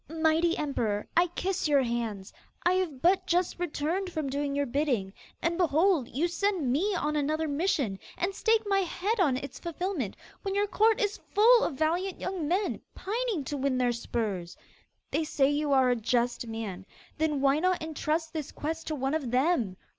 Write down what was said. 'Mighty Emperor, I kiss your hands! I have but just returned from doing your bidding, and, behold, you send me on another mission, and stake my head on its fulfilment, when your court is full of valiant young men, pining to win their spurs. They say you are a just man; then why not entrust this quest to one of them?